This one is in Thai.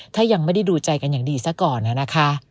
ถ้ายังไม่ได้ดูใจกันอย่างดีซะก่อนนะคะ